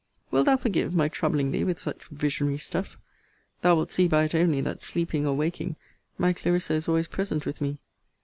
Wilt thou forgive my troubling thee with such visionary stuff? Thou wilt see by it only that, sleeping or waking, my Clarissa is always present with me.